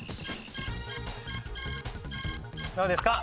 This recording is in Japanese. どうですか？